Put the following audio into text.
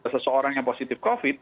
seseorang yang positif covid